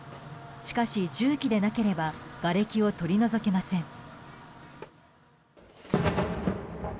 しかし重機でなければがれきを取り除けません。